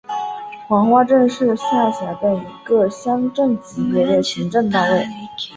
黄花镇是下辖的一个乡镇级行政单位。